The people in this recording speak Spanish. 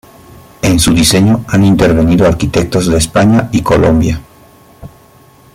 En su diseño han intervenido arquitectos de España y Colombia.